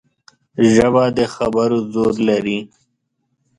ژبه د خبرو زور لري